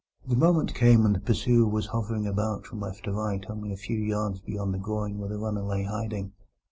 The moment came when the pursuer was hovering about from left to right only a few yards beyond the groyne where the runner lay in hiding.